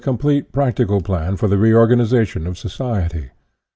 complete practical plan for the reorganiza tion of society.